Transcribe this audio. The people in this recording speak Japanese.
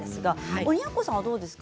鬼奴さんはどうですか？